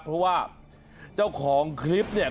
เพราะว่าเจ้าของคลิปเนี่ย